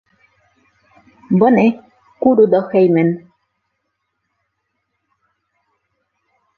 Bone, kuru do hejmen.